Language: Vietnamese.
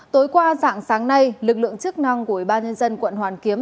tối qua dạng sáng nay lực lượng chức năng của ủy ban nhân dân quận hoàn kiếm